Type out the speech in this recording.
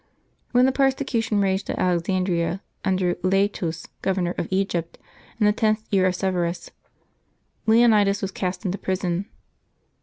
When the persecution raged at Alexandria, under Laetus, governor of Egypt, in the tenth year of Severus, Leonides was cast into prison.